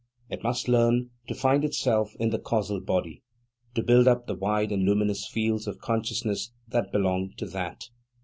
It must learn to find itself in the causal body, to build up the wide and luminous fields of consciousness that belong to that.